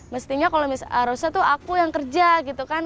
mestinya kalau harusnya tuh aku yang kerja gitu kan